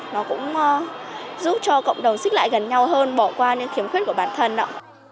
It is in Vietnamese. nó cũng giúp cho cộng đồng xích lại gần nhau hơn bỏ qua những khiếm khuyết của bản thân ạ